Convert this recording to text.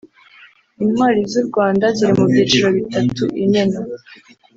Intwari z’u Rwanda ziri mu byiciro bitatu Imena